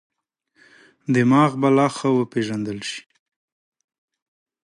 دماغ به لا ښه وپېژندل شي.